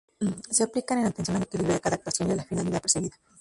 Se aplican en atención al equilibrio de cada actuación y a la finalidad perseguida.